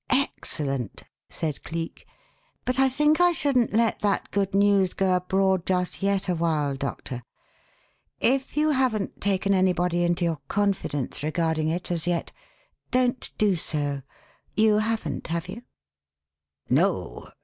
"Excellent!" said Cleek. "But I think I shouldn't let that good news go abroad just yet a while, Doctor. If you haven't taken anybody into your confidence regarding it as yet, don't do so. You haven't, have you?" "No.